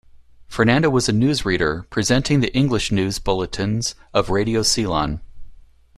Fernando was a news reader, presenting the English news bulletins of Radio Ceylon.